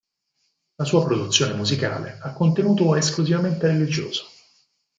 La sua produzione musicale ha contenuto esclusivamente religioso.